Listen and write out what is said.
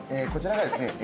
こちらがですね